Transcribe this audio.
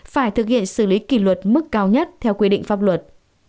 phải thực hiện xử lý kỷ luật mức cao nhất theo quy định pháp luật